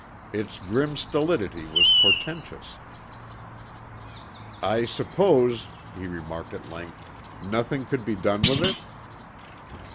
Its grim stolidity was portentous. "I suppose," he remarked at length, "nothing could be done with it?"